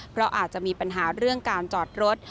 เพราะอาจจะมีปัญหาเรื่องการจอดรถ